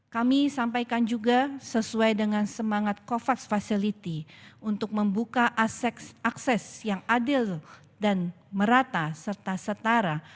kami sampaikan juga sesuai dengan semangat covax facility untuk membuka akses yang adil dan merata serta setara